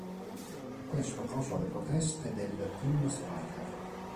Questo causò le proteste del team Spyker.